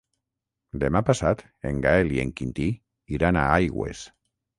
Demà passat en Gaël i en Quintí iran a Aigües.